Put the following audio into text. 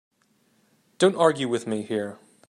Don't argue with me here.